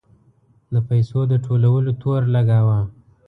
د پیسو د ټولولو تور لګاوه.